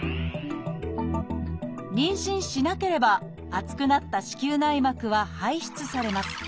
妊娠しなければ厚くなった子宮内膜は排出されます。